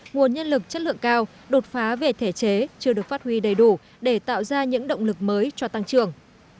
nguồn nhân lực chất lượng cao đột phá về thể chế chưa được phát huy đầy đủ để tạo ra những động lực mới cho tăng trưởng